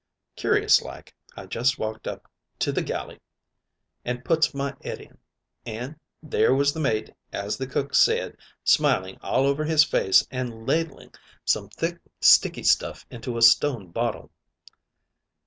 "Curious like, I jest walked up to the galley an' puts my 'ed in, an' there was the mate as the cook said, smiling all over his face, and ladling some thick sticky stuff into a stone bottle.